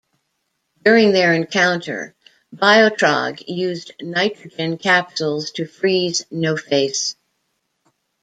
During their encounter, Biotrog used nitrogen capsules to freeze No-Face.